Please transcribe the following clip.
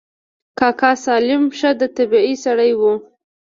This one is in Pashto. کاکا سالم ښه د طبعې سړى و.